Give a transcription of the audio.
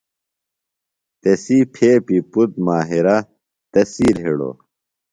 تسی پھیپی پُتر ماہرہ تس سِیل ہِڑوۡ۔